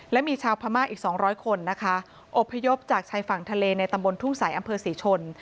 และมีชาวพม่าอีก๒๐๐คนนะคะอบพยพจากชายฝั่งทะเลในตำบลทุ่งสายอำเภอศรีชน